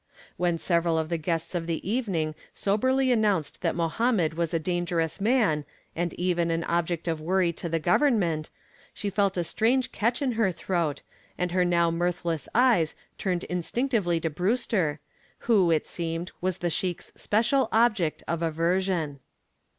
When several of the guests of the evening soberly announced that Mohammed was a dangerous man and even an object of worry to the government she felt a strange catch in her throat and her now mirthless eyes turned instinctively to Brewster, who, it seemed, was the sheik's special object of aversion.